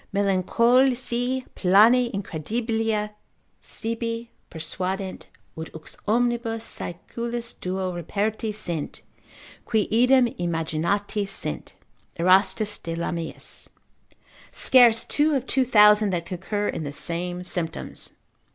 Melancholici plane incredibilia sibi persuadent, ut vix omnibus saeculis duo reperti sint, qui idem imaginati sint (Erastus de Lamiis), scarce two of two thousand that concur in the same symptoms.